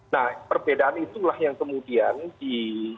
nah perbedaan itulah yang kemudian di